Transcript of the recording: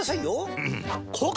うん！